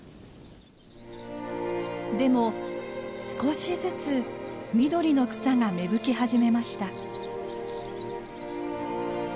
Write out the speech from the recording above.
でも少しずつ緑の草が芽吹き始めました。